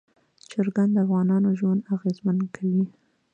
چرګان د افغانانو ژوند اغېزمن کوي.